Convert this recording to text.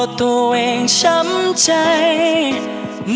เรื่องของข้าว